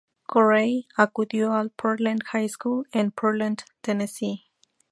Corey acudió al Portland High School en Portland, Tennessee.